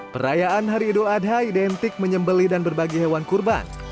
perayaan hari idul adha identik menyembeli dan berbagi hewan kurban